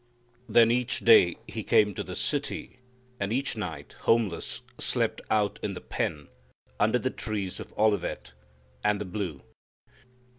Then each day He came to the city, and each night, homeless, slept out in the open, under the trees of Olivet, and the blue.